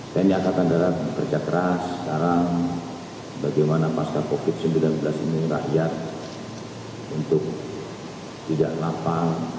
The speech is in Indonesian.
tni angkatan darat kerja keras sekarang bagaimana pasca covid sembilan belas ini rakyat untuk tidak lapang